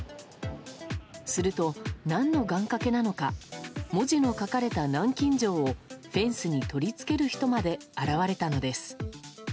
すると何の願掛けなのか文字の書かれた南京錠をフェンスに取り付ける人まで現れたのです。